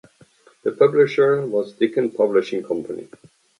The publisher was Diken Publishing Company.